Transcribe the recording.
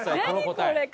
この答え。